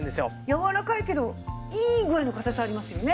柔らかいけどいい具合の硬さありますよね。